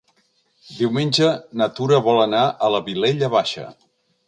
Diumenge na Tura vol anar a la Vilella Baixa.